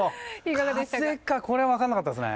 風かこれは分かんなかったですね。